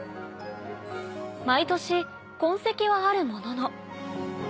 毎年痕跡はあるものの。